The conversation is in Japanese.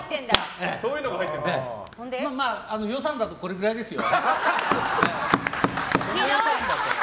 まあ、予算だとこれくらいですよ。